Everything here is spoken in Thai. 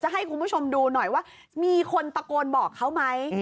ให้คุณผู้ชมดูหน่อยว่ามีคนตะโกนบอกเขาไหม